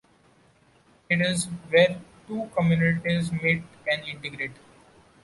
It is where two communities meet and integrate.